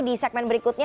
di segmen berikutnya